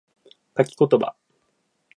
書き言葉